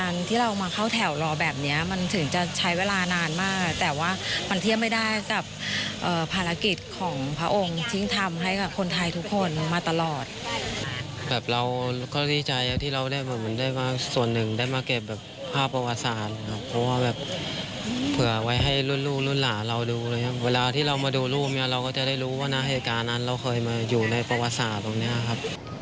เราก็จะได้รู้ว่านาเหตุการณ์นั้นเราเคยมาอยู่ในประวัติศาสตร์ตรงนี้ครับ